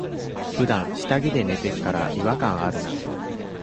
ふだん下着で寝てっから、違和感あるな。